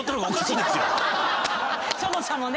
そもそもね。